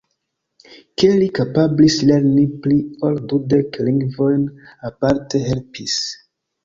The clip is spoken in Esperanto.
Ke li kapablis lerni pli ol dudek lingvojn aparte helpis.